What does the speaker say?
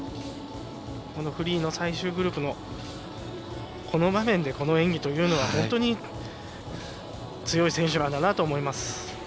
このフリーの最終グループのこの場面で、この演技は強い選手だなと思います。